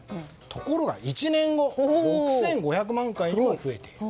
ところが、１年後６５００万回にも増えている。